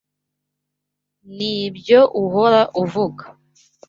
Nibyo uhora uvuga